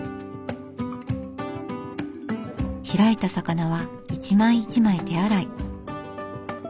開いた魚は一枚一枚手洗い。